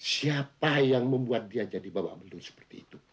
siapa yang membuat dia jadi bapak belu seperti itu